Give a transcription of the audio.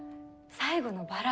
最後のバラ？